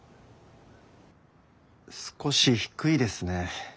少し低いですね。